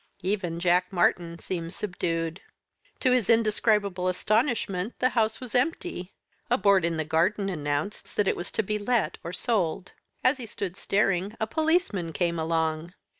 Even Jack Martyn seemed subdued. "To his indescribable astonishment, the house was empty. A board in the garden announced that it was to be let or sold. As he stood staring, a policeman came along.